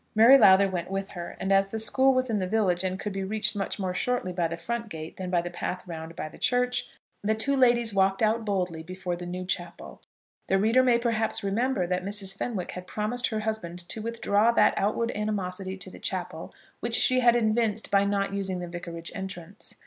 Mary Lowther went with her, and as the school was in the village and could be reached much more shortly by the front gate than by the path round by the church, the two ladies walked out boldly before the new chapel. The reader may perhaps remember that Mrs. Fenwick had promised her husband to withdraw that outward animosity to the chapel which she had evinced by not using the vicarage entrance.